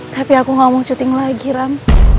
tapi aku gak mau syuting lagi ram